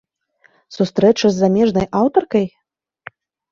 Сустрэча з замежнай аўтаркай?